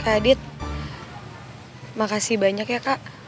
kak adit makasih banyak ya kak